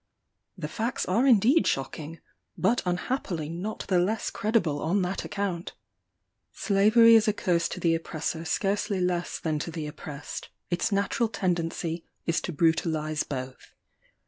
The facts are indeed shocking, but unhappily not the less credible on that account. Slavery is a curse to the oppressor scarcely less than to the oppressed: its natural tendency is to brutalize both.